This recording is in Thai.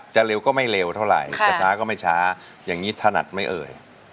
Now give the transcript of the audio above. เร็วก็ไม่เร็วเท่าไหร่จะช้าก็ไม่ช้าอย่างนี้ถนัดไม่เอ่ย